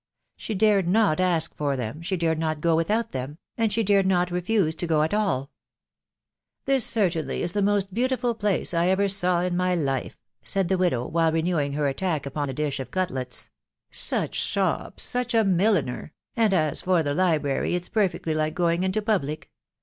She dared not ask for them, u\ve fax«& tkA. %% without them, and she dared not refuse to &o aX aXL "This certainly. is the most beautiful place 1 ever sew ii> my life *!"•& (be widow, rwbile renewing her attack upon* the shsbjof cutlets ;' suck shop*! «•. .«ck amiHiner ! and, as for the literary, it's perfectly like:gaawg into public